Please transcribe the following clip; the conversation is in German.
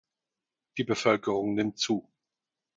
Die Bevölkerung nimmt zu.